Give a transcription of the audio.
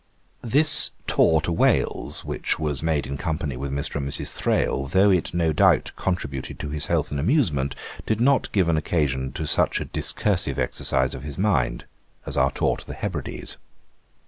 This tour to Wales, which was made in company with Mr. and Mrs. Thrale, though it no doubt contributed to his health and amusement, did not give an occasion to such a discursive exercise of his mind as our tour to the Hebrides.